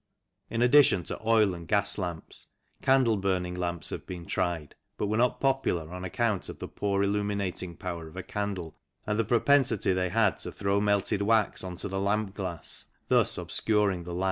In addition to oil and gas lamps, candle burning lamps have been tried, but were not popular on account of the poor illuminating power of a candle and the propensity they had to throw melted wax on to the lamp glass, thus obscuring the light.